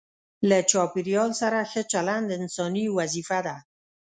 له چاپیریال سره ښه چلند انساني وظیفه ده.